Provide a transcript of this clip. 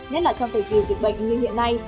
nhất là trong thời kỳ dịch bệnh như hiện nay